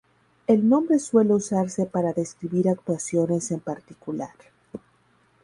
El nombre suele usarse para describir actuaciones en particular.